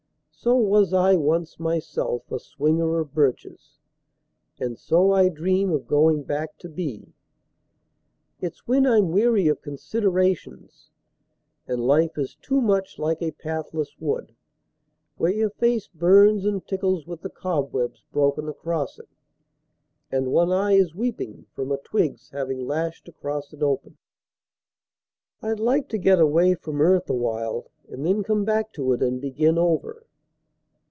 So was I once myself a swinger of birches. And so I dream of going back to be. It's when I'm weary of considerations, And life is too much like a pathless wood Where your face burns and tickles with the cobwebs Broken across it, and one eye is weeping From a twig's having lashed across it open. I'd like to get away from earth awhile And then come back to it and begin over.